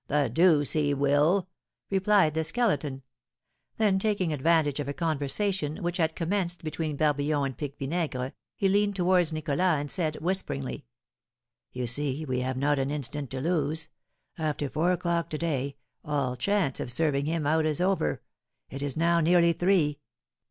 "The deuce he will!" replied the Skeleton. Then taking advantage of a conversation which had commenced between Barbillon and Pique Vinaigre, he leaned towards Nicholas, and said, whisperingly, "You see, we have not an instant to lose. After four o'clock to day all chance of serving him out is over; it is now nearly three.